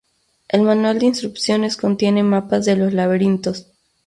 El manual de instrucciones contiene mapas de los laberintos.